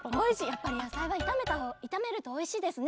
やっぱりやさいはいためるとおいしいですね。